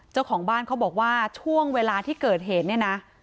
เจ้าของบ้านเขาบอกว่าช่วงเวลาที่เกิดเหตุเนี่ยนะ